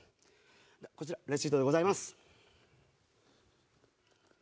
こちらレシートでございます。